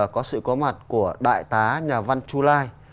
có sự có mặt của đại tá nhà văn chu lai